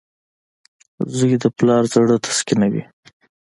• زوی د پلار زړۀ تسکینوي.